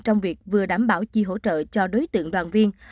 trong việc vừa đảm bảo chi hỗ trợ cho đối tượng đoàn viên